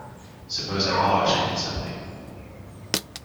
Suppose I barge into something.